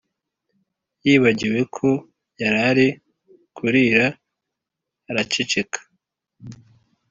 Yibagiwe ko yarari kurira araceceka